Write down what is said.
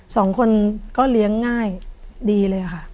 สองคนก็เลี้ยงง่ายดีเลยค่ะ